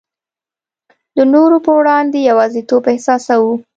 د نورو په وړاندي یوازیتوب احساسوو.